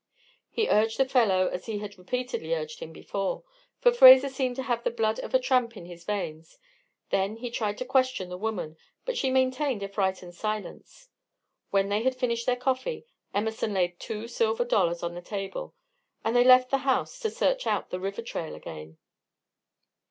He urged the fellow as he had repeatedly urged him before, for Fraser seemed to have the blood of a tramp in his veins; then he tried to question the woman, but she maintained a frightened silence. When they had finished their coffee, Emerson laid two silver dollars on the table, and they left the house to search out the river trail again.